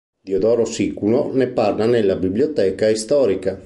Diodoro Siculo ne parla nella Bibliotheca historica.